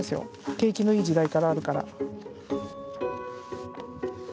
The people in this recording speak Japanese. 景気のいい時代からあるから。